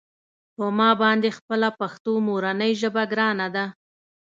په ما باندې خپله پښتو مورنۍ ژبه ګرانه ده.